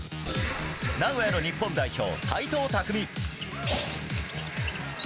名古屋の日本代表、斎藤拓実。